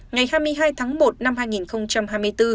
ngày hai mươi hai tháng một năm hai nghìn hai mươi bốn